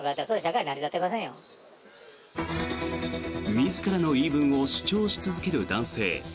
自らの言い分を主張し続ける男性。